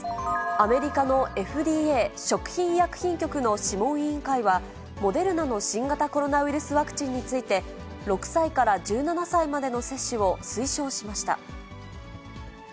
アメリカのＦＤＡ・食品医薬品局の諮問委員会は、モデルナの新型コロナウイルスワクチンについて、６歳から１７歳までの接種を推奨しました。